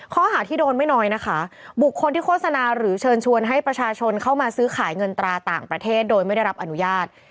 ข้อหาที่โดนไม่น้อยนะคะบุคคลที่โฆษณาหรือเชิญชวนให้ประชาชนเข้ามาซื้อขายเงินตราต่างประเทศโดยไม่ได้รับอนุญาต